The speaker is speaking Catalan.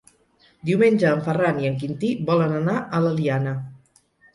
Diumenge en Ferran i en Quintí volen anar a l'Eliana.